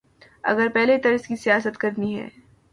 اگر پہلے طرز کی سیاست کرنی ہے۔